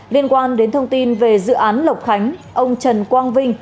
liên quan đến thông tin về dự án lộc khánh ông trần quang vinh